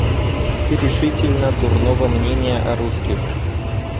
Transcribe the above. Ты решительно дурного мнения о русских.